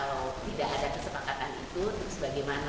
kalau tidak ada kesepakatan itu terus bagaimana